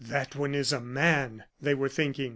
"That one is a man!" they were thinking.